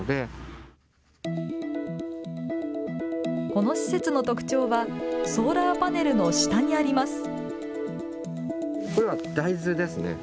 ここの施設の特徴はソーラーパネルの下にあります。